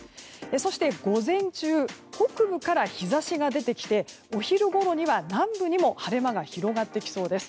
そして、午前中は北部から日差しが出てきてお昼ごろには南部にも晴れ間が広がってきそうです。